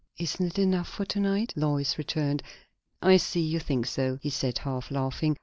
"Isn't it enough for to night?" Lois returned. "I see you think so," he said, half laughing.